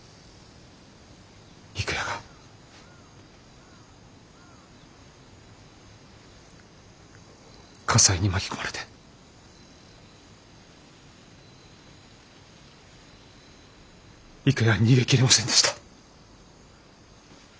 郁弥が火災に巻き込まれて郁弥は逃げきれませんでした。